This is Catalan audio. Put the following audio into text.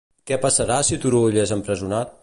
Què passarà si Turull és empresonat?